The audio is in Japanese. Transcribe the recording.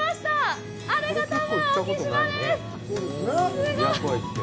すごい。